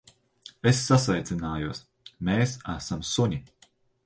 Es sasveicinājos. Mēs esam suņi.